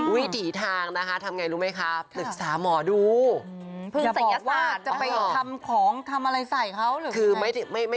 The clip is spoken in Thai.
วิถิทางนะคะทำไงรู้ไหมคะ